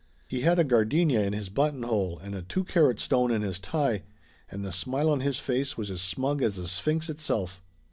He had a gardenia in his buttonhole and a two carat stone in his tie, and the smile on his face was as smug as the Sphinx itself!